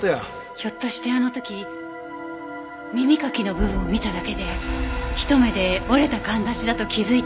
ひょっとしてあの時耳かきの部分を見ただけでひと目で折れた簪だと気づいていたのかも。